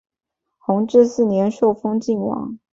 弘治四年受封泾王。